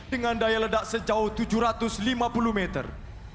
dengan daya ledak sejauh tujuh ratus lima puluh meter